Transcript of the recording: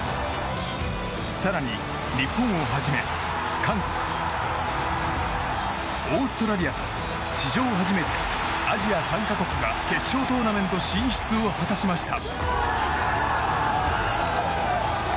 更に、日本をはじめ韓国、オーストラリアと史上初めて、アジア３か国が決勝トーナメント進出を果たしました。